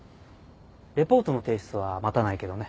レポートの提出は待たないけどね。